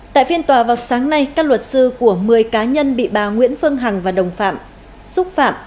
tại phiên tòa vào sáng nay các luật sư của một mươi cá nhân bị bà nguyễn phương hằng và đồng phạm xúc phạm